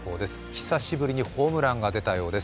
久しぶりにホームランが出たようです。